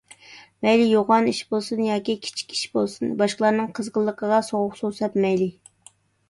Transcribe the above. مەيلى يوغان ئىش بولسۇن ياكى كىچىك ئىش بولسۇن، باشقىلارنىڭ قىزغىنلىقىغا سوغۇق سۇ سەپمەيلى.